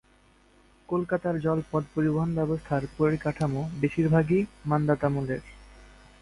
কলকাতার জলপথ পরিবহন ব্যবস্থার পরিকাঠাম বেশির ভাগই মান্ধাতামলের।